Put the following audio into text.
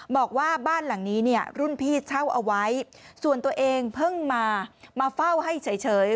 บอกว่าบ้านหลังนี้เนี่ยรุ่นพี่เช่าเอาไว้ส่วนตัวเองเพิ่งมามาเฝ้าให้เฉย